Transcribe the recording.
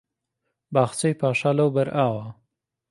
باخچەی پاشا لەوبەر ئاوە